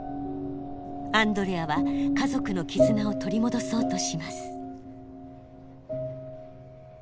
アンドレアは家族の絆を取り戻そうとします。